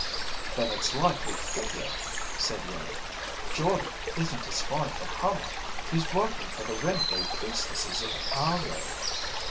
"Then it's like we figured," said Iimmi. "Jordde isn't a spy for Hama. He's working for the renegade priestesses of Argo."